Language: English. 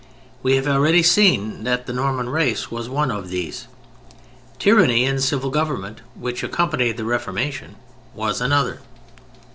We have already seen that the Norman race was one of these. Tyranny in civil government (which accompanied the Reformation) was another.